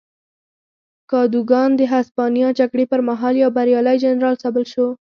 کادوګان د هسپانیا جګړې پر مهال یو بریالی جنرال ثابت شو.